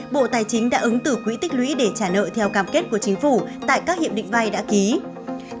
bộ tài chính đã ứng từ quỹ tích lũy để trả nợ theo cam kết của chính phủ tại các hiệp định vay đã ký